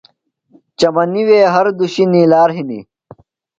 چمنیۡ وے ہر دُشیۡ نِیلار ہِنیۡ۔